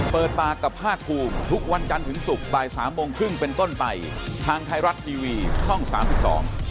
เปิดปากกับภาคภูมิทุกวันจันทร์ถึงศุกร์บ่ายสามโมงครึ่งเป็นต้นไปทางไทยรัฐทีวีช่องสามสิบสอง